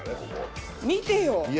見てよ！